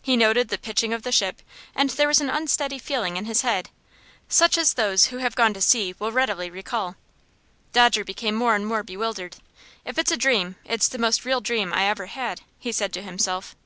He noted the pitching of the ship, and there was an unsteady feeling in his head, such as those who have gone to sea will readily recall. Dodger became more and more bewildered. "If it's a dream, it's the most real dream I ever had," he said to himself.